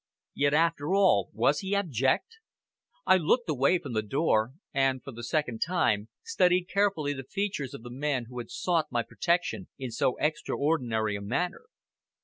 Yet, after all, was he abject? I looked away from the door, and, for the second time, studied carefully the features of the man who had sought my protection in so extraordinary a manner.